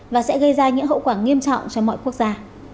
và sẽ gây ra những hậu quả nghiêm trọng cho mọi quốc gia